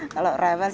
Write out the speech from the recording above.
kalau rewel juga